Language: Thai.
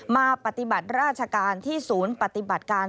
มาปฏิบัติราชการที่ศูนย์ปฏิบัติการ